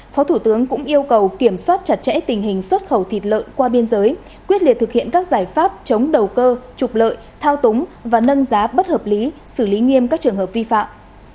phó thủ tướng cũng yêu cầu kiểm soát chặt chẽ tình hình xuất khẩu thịt lợn qua biên giới quyết liệt thực hiện các giải pháp chống đầu cơ trục lợi thao túng và nâng giá bất hợp lý xử lý nghiêm các trường hợp vi phạm